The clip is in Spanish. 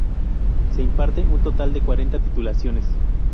Se imparte un total de cuarenta titulaciones.